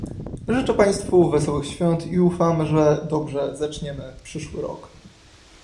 Życzę Państwu Wesołych Świąt i ufam, że dobrze zaczniemy przyszły rok